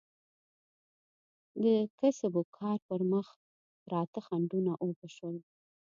د کسب و کار پر مخ پراته خنډونه اوبه شول.